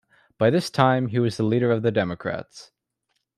By this time, he was leader of the Democrats.